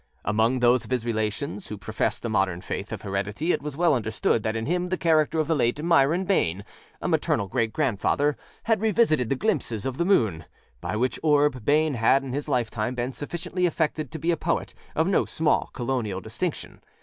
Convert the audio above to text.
Among those of his relations who professed the modern faith of heredity it was well understood that in him the character of the late Myron Bayne, a maternal great grandfather, had revisited the glimpses of the moonâby which orb Bayne had in his lifetime been sufficiently affected to be a poet of no small Colonial distinction.